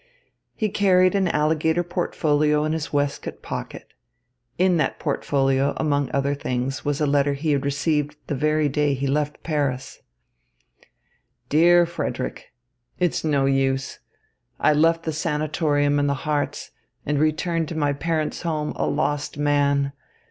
He carried an alligator portfolio in his waistcoat pocket. In that portfolio, among other things, was a letter he had received the very day he left Paris: Dear Frederick, It's no use. I left the sanatorium in the Harz and returned to my parents' home a lost man.